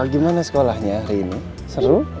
gimana sekolahnya hari ini seru